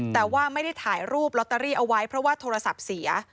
แต่ว่าไม่ได้ถ่ายรูปลอตเตอรี่เอาไว้เพราะว่าโทรศัพท์เสีย